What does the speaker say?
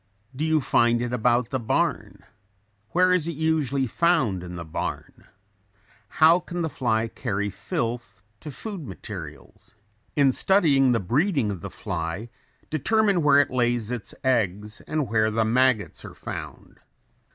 Do you find it about the barn? Where is it usually found in the barn? How can the fly carry filth to food materials? In studying the breeding of the fly determine where it lays its eggs and where the maggots are found.